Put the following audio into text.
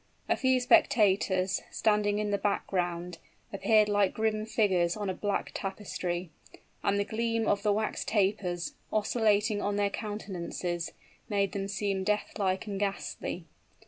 A few spectators, standing in the background, appeared like grim figures on a black tapestry; and the gleam of the wax tapers, oscillating on their countenances, made them seem death like and ghastly.